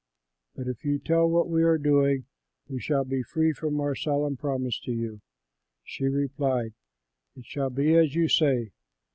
But if you tell what we are doing, we shall be free from our solemn promise to you." She replied, "It shall be as you say."